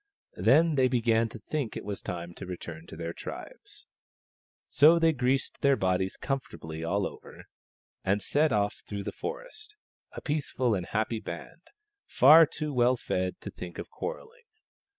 Then they began to think it was time to return to their tribes. So they greased their bodies comfortably all over, and set off through the forest, a peaceful and happy band, far too well fed to think of quarrelling.